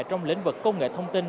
trong lĩnh vực công nghệ thông tin